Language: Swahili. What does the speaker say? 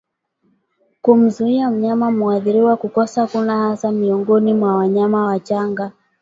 kumzuia mnyama mwathiriwa kukosa kula hasa miongoni mwa wanyama wachanga